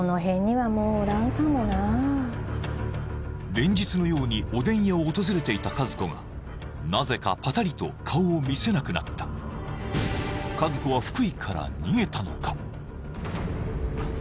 連日のようにおでん屋を訪れていた和子がなぜかぱたりと顔を見せなくなった和子は福井から逃げたのか？